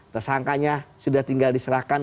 tersangkanya sudah tinggal diserahkan